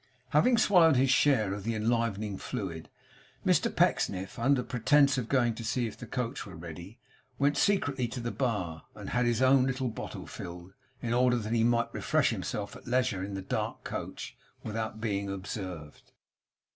Having swallowed his share of the enlivening fluid, Mr Pecksniff, under pretence of going to see if the coach were ready, went secretly to the bar, and had his own little bottle filled, in order that he might refresh himself at leisure in the dark coach without being observed.